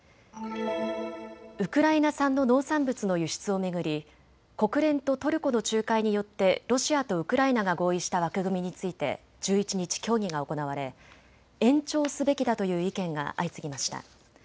ウクライナ産の農産物の輸出を巡り国連とトルコの仲介によってロシアとウクライナが合意した枠組みについて１１日、協議が行われ延長すべきだという意見が相次ぎました。